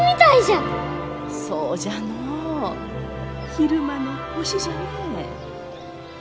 昼間の星じゃね。